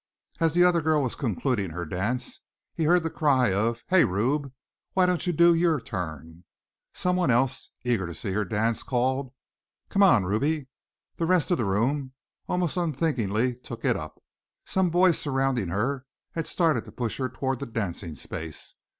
As the other girl was concluding her dance he heard the cry of "Hey, Rube! Why don't you do your turn?" Someone else, eager to see her dance, called "Come on, Ruby!" The rest of the room, almost unthinkingly took it up. Some boys surrounding her had started to push her toward the dancing space.